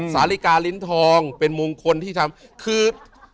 สาลิกาลิ้นทองเป็นมงคลที่ทำคือ